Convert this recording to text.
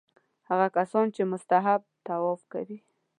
هغه کسان چې مستحب طواف کوي.